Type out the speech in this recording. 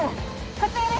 こちらです